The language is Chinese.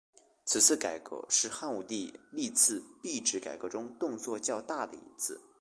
此次改革是汉武帝历次币制改革中动作较大的一次。